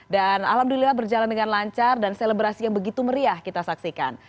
dan alhamdulillah berjalan dengan lancar dan selebrasi yang begitu meriah kita saksikan